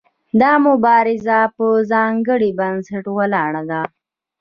دا مبارزه په ځانګړي بنسټ ولاړه ده.